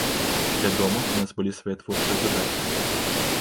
Вядома, у нас былі свае творчыя задачы.